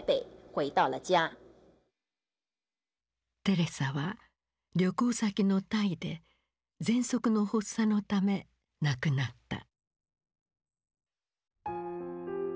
テレサは旅行先のタイでぜんそくの発作のため亡くなった。